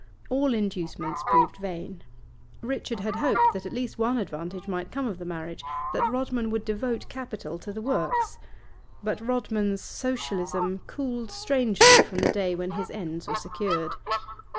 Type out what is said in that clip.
All inducements proved vain. Richard had hoped that at least one advantage might come of the marriage, that Rodman would devote capital to the works; but Rodman's Socialism cooled strangely from the day when his ends were secured.